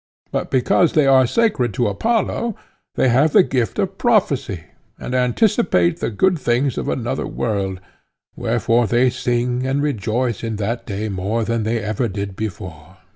But because they are sacred to Apollo, they have the gift of prophecy, and anticipate the good things of another world, wherefore they sing and rejoice in that day more than they ever did before.